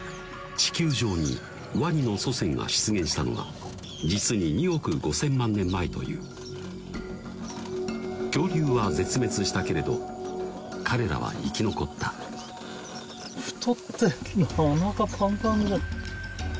地球上にワニの祖先が出現したのは実に２億５０００万年前という恐竜は絶滅したけれど彼らは生き残った太ってるおなかパンパンだよ